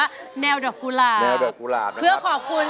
ด้านล่างเขาก็มีความรักให้กันนั่งหน้าตาชื่นบานมากเลยนะคะ